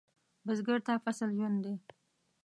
بزګر ته فصل ژوند دی